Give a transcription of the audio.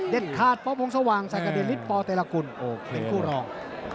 เด็ดคาดป๊อปมงค์สว่างใส่กระเด็นฤทธิ์ปอล์เตรลกุลเป็นผู้รอง